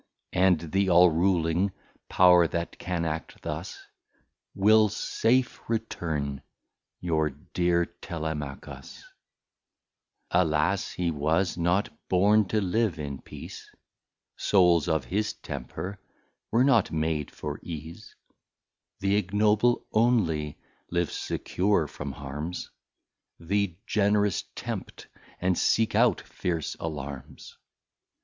And the All ruling power that can act thus, Will safe return your Dear Telemachus. Alas, he was not born to live in Peace, Souls of his Temper were not made for Ease, Th'Ignoble only live secure from Harms, The Generous tempt, and seek out fierce Alarms.